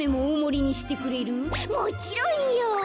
「もちろんよ」。